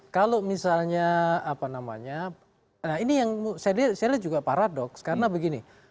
kalau misalnya apa namanya nah ini yang saya lihat juga paradoks karena begini